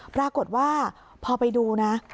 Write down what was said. ปรากฏว่าพอไปดูนะ